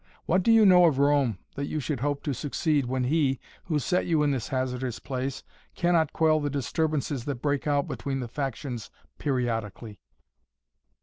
What do you know of Rome that you should hope to succeed when he, who set you in this hazardous place, cannot quell the disturbances that break out between the factions periodically?"